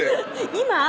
「今？」